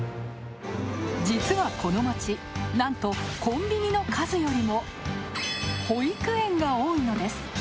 実は、この街、なんとコンビニの数よりも保育園が多いのです。